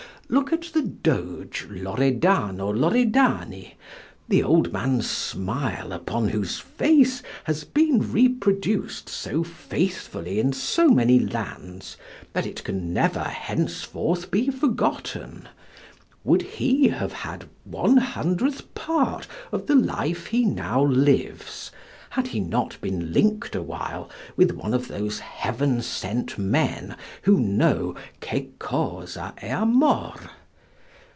Look at the Doge Loredano Loredani, the old man's smile upon whose face has been reproduced so faithfully in so many lands that it can never henceforth be forgotten would he have had one hundredth part of the life he now lives had he not been linked awhile with one of those heaven sent men who know che cosa e amor?